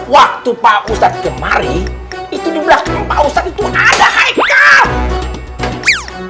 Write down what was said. waktu pak ustadz kemari itu di belakang pak ustadz itu ada